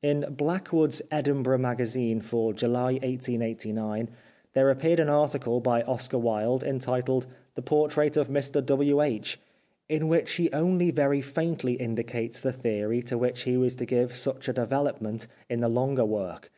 In Blackwood' s Edinburgh Magazine for July 1889 there appeared an article by Oscar Wilde entitled " The Portrait of Mr W. H./' in which he only very faintly indicates the theory to which he was to give such a development in the longer work.